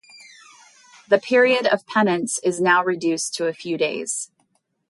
The period of penance is now reduced to a few days.